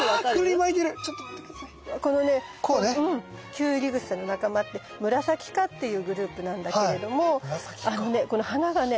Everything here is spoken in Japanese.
キュウリグサの仲間ってムラサキ科っていうグループなんだけれどもあのねこの花がね